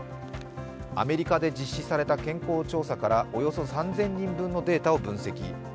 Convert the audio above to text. アメリカで実施された健康調査からおよそ３０００人分のデータを分析。